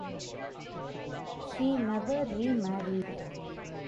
She never remarried.